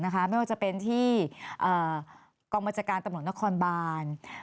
ไม่ว่าจะเป็นที่กองบัญชาการตำรวจนครบาน